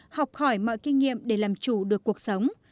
học hỏi mọi kinh nghiệm để làm chủ được cuộc sống